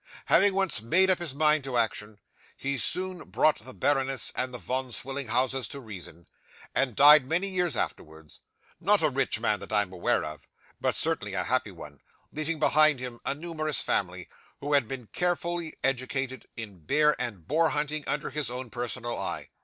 Having once made up his mind to action, he soon brought the baroness and the Von Swillenhausens to reason, and died many years afterwards: not a rich man that I am aware of, but certainly a happy one: leaving behind him a numerous family, who had been carefully educated in bear and boar hunting under his own personal eye.